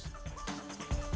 kita kembali di prime news